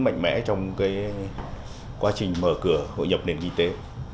mạnh mẽ trong quá trình mở cửa hội nhập nền kinh tế